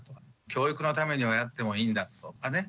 教育のためにはやってもいいんだとかね